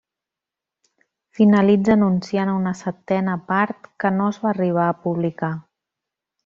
Finalitza anunciant una setena part, que no es va arribar a publicar.